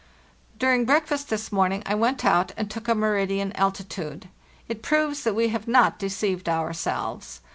" During breakfast this morning I went out and took a meridian altitude. It proves that we have not deceived ourselves.